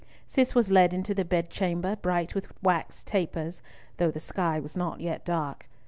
Cis was led into the bedchamber, bright with wax tapers, though the sky was not yet dark.